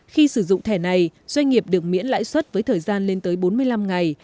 khi sử dụng thẻ này doanh nghiệp được miễn lãi suất với thời gian lên tới bốn mươi năm ngày